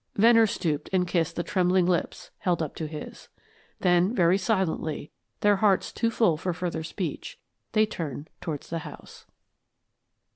Venner stooped and kissed the trembling lips held up to his. Then very silently, their hearts too full for further speech, they turned towards the house.